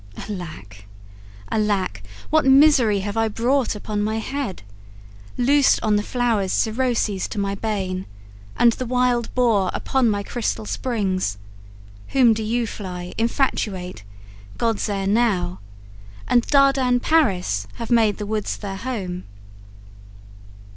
Alack! alack! What misery have I brought upon my head! Loosed on the flowers Siroces to my bane, And the wild boar upon my crystal springs! Whom do you fly, infatuate? gods ere now, And Dardan Paris, have made the woods their home.